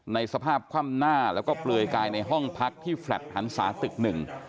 ในสภาพคว่ำหน้าแล้วก็เปลือยกายในห้องพักที่แฟลตหันศาตึกหนึ่ง